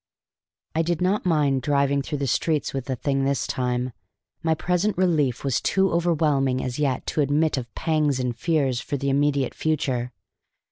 I did not mind driving through the streets with the thing this time. My present relief was too overwhelming as yet to admit of pangs and fears for the immediate future.